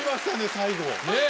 最後ねぇ！